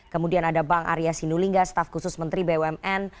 kemudian ada bang arya sinulinga staf khusus menteri bumn